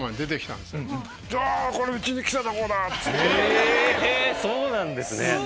えっ⁉えそうなんですね！